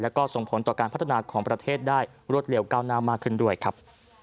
แล้วก็ส่งผลต่อการพัฒนาของประเทศได้รวดเร็วก้าวหน้ามากขึ้นด้วยครับ